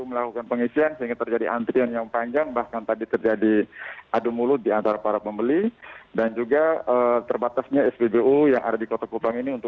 masih belum terangkat